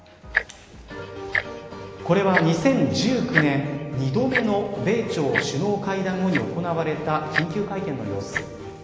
これは２０１９年２度目の米朝首脳会談後に行われた緊急会見の様子。